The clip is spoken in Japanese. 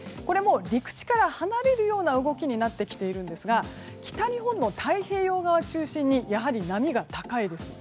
陸地から離れるような動きになってきているんですが北日本の太平洋側中心にやはり波が高いです。